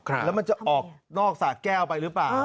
แล้วมันจะออกนอกสะแก้วไปหรือเปล่า